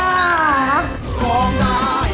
ขอบคุณค่ะ